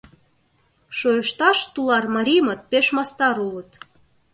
Шойышташ тулар мариймыт пеш мастар улыт.